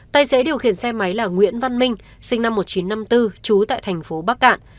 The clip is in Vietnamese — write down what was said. tài xế điều khiển xe máy là nguyễn văn minh sinh năm một nghìn chín trăm năm mươi bốn trú tại thành phố bắc cạn